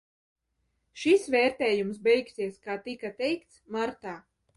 Šis vērtējums beigsies, kā tika teikts, martā.